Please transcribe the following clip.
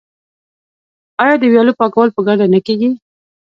آیا د ویالو پاکول په ګډه نه کیږي؟